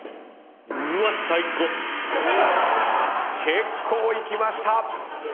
結構いきました！